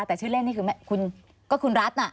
แต่ชื่อเล่นนี่คือก็คุณรัฐน่ะ